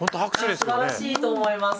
すばらしいと思います。